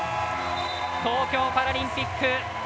東京パラリンピック